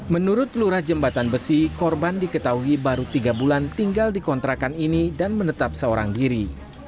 menurut lurah jembatan besi korban diketahui baru tiga bulan tinggal di kontrakan ini dan menetap seorang diri